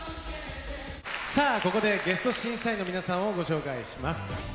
さあここでゲスト審査員の皆さんをご紹介します。